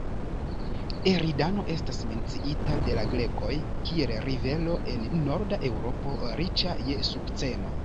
Eridano estas menciita de la grekoj, kiel rivero en norda Eŭropo, riĉa je sukceno.